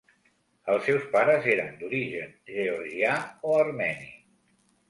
Els seus pares eren d'origen georgià o armeni.